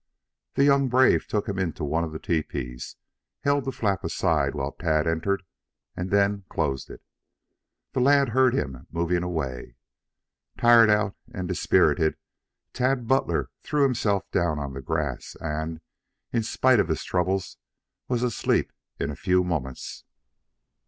The young brave took him into one of the tepees, held the flap aside while Tad entered, then closed it. The lad heard him moving away. Tired out and dispirited, Tad Butler threw himself down on the grass and, in spite of his troubles, was asleep in a few moments.